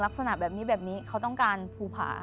ลักษณะแบบนี้แบบนี้เขาต้องการภูผา